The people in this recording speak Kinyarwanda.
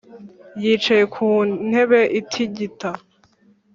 yicaye ku ntebe itigita.